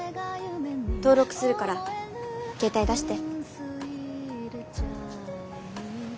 登録するから携帯出して。